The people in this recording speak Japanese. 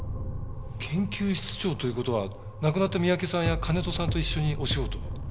研究室長という事は亡くなった三宅さんや金戸さんと一緒にお仕事を？